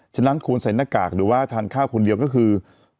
ฉะนั้นควรใส่หน้ากากหรือว่าทานข้าวคนเดียวก็คือ